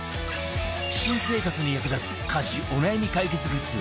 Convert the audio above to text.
新生活に役立つ家事お悩み解決グッズ